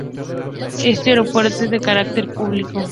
Este Aeropuerto es de carácter público.